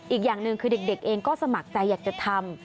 อีกอย่างหนึ่งคือเด็กเองก็สมัครใจอยากจะทำ